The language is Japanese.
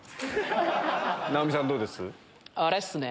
直美さんどうです？